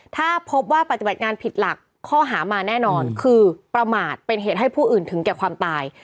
ถ้าพบว่าปฏิบัติงานผิดหลักข้อหามาแน่นอนคือประมาทเป็นเหตุให้ผู้อื่นถึงแก่ความตาย